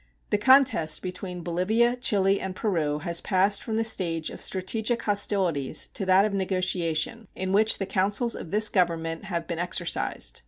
The contest between Bolivia, Chile, and Peru has passed from the stage of strategic hostilities to that of negotiation, in which the counsels of this Government have been exercised.